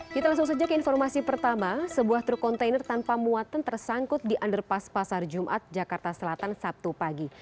kita langsung saja ke informasi pertama sebuah truk kontainer tanpa muatan tersangkut di underpass pasar jumat jakarta selatan sabtu pagi